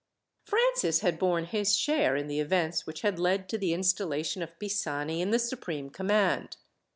Francis had borne his share in the events which had led to the installation of Pisani in the supreme command.